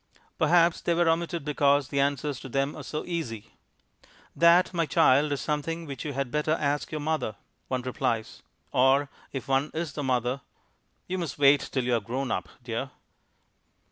Perhaps they were omitted because the answers to them are so easy. "That, my child, is something which you had better ask your mother," one replies; or if one is the mother, "You must wait till you are grown up, dear."